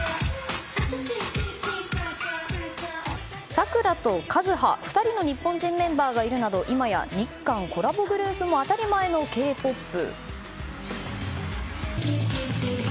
サクラとカズハ２人の日本人メンバーがいるなど今や、日韓コラボグループも当たり前のＫ‐ＰＯＰ。